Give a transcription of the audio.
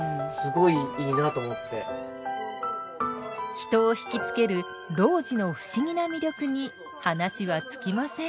人を引きつける路地の不思議な魅力に話は尽きません。